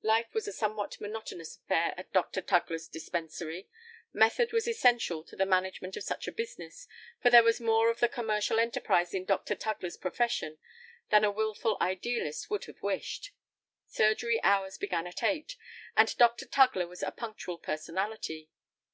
Life was a somewhat monotonous affair at Dr. Tugler's dispensary. Method was essential to the management of such a business, for there was more of the commercial enterprise in Dr. Tugler's profession than a wilful idealist could have wished. Surgery hours began at eight, and Dr. Tugler's was a punctual personality.